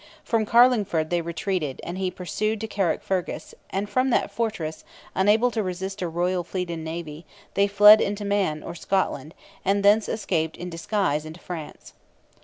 From Carlingford they retreated, and he pursued to Carrickfergus, and from that fortress, unable to resist a royal fleet and navy, they fled into Man or Scotland, and thence escaped in disguise into France.